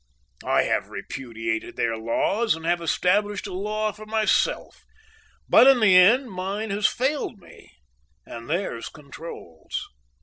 I have repudiated their laws and have established a law for myself, but in the end mine has failed me and theirs controls.